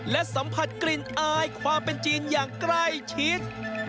และสัมผัสกลิ่นอายความเป็นจริงอย่างใกล้ชิด